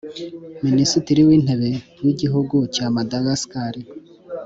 Minisitiri w’Intebe w’igihugu cya Madagascar